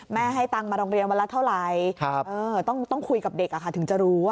ให้ตังค์มาโรงเรียนวันละเท่าไหร่ต้องคุยกับเด็กถึงจะรู้ว่า